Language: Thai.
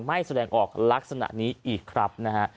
แสดงออกลักษณะนี้อีกครับนะฮะ